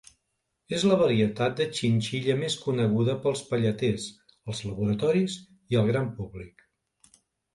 És la varietat de xinxilla més coneguda pels pelleters, els laboratoris i el gran públic.